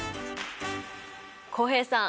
浩平さん